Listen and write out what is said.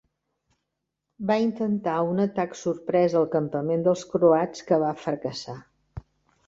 Va intentar un atac sorpresa al campament dels croats que va fracassar.